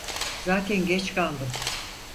Zaten geç kaldım.